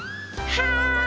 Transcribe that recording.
はい！